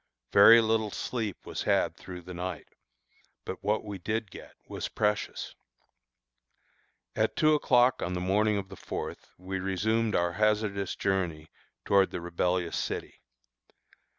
Very little sleep was had through the night, but what we did get was precious. At two o'clock on the morning of the fourth we resumed our hazardous journey toward the rebellious city.